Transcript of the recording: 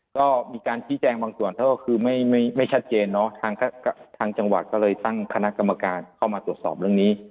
ก็มีการชี้แจงบางส่วนถ้าก็คือไม่ชัดเจนเนาะทางจังหวัดก็เลยตั้งคณะกรรมการเข้ามาตรวจสอบเรื่องนี้